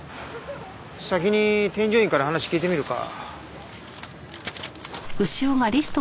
先に添乗員から話聞いてみるか。